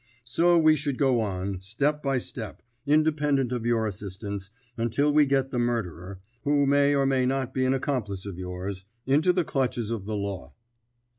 So we should go on, step by step, independent of your assistance, until we get the murderer who may or may not be an accomplice of yours into the clutches of the law."